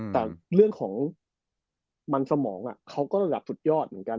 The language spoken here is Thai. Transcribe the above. แต่เรื่องของมันสมองเขาก็ระดับสุดยอดเหมือนกัน